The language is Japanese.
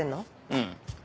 うん。